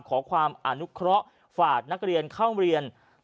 ขอความอนุเคราะห์ฝากนักเรียนเข้าเรียน